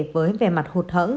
với vẻ mặt hụt hẫng